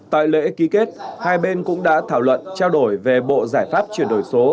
tại lễ ký kết hai bên cũng đã thảo luận trao đổi về bộ giải pháp chuyển đổi số